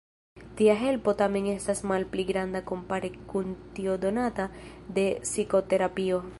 Tia helpo tamen estas malpli granda kompare kun tio donata de psikoterapio.